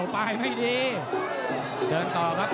ตามต่อยกที่สองครับ